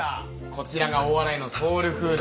こちらが大洗のソウルフード。